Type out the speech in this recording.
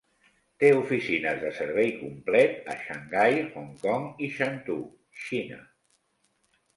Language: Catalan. Té oficines de servei complet a Xangai, Hong Kong i Shantou (Xina).